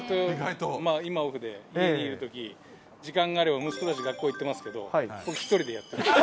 ずっと、今、オフで、家にいるとき、時間があれば息子たち学校行ってますけど、１人でやってる。